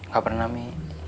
gak pernah mi